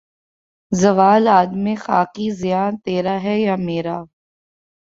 زوال آدم خاکی زیاں تیرا ہے یا میرا